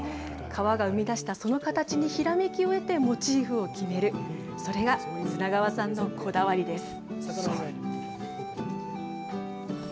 川が生み出したその形にひらめきを得て、モチーフを決める、それが綱川さんのこだわりです。